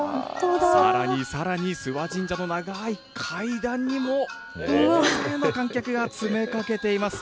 さらにさらに、諏訪神社の長い階段にも大勢の観客が詰めかけています。